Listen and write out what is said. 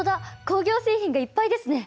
工業製品がいっぱいですね。